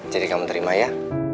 jadi kamu terima ya